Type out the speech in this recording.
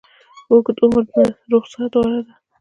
اوږد عمر نه روغ صحت غوره ده